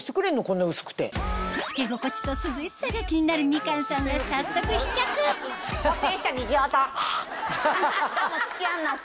着け心地と涼しさが気になるみかんさんが早速試着ハッ！